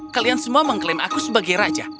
kalian semua mengklaim aku sebagai raja